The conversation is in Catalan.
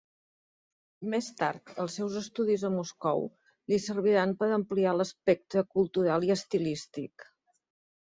Més tard, els seus estudis a Moscou li serviran per ampliar l'espectre cultural i estilístic.